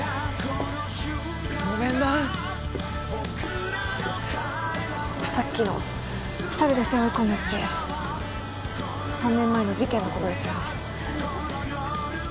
ごめんなさっきの一人で背負い込むって３年前の事件のことですよね？